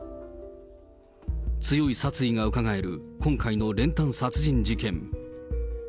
強い殺意がうかがえる今回の練炭殺人事件。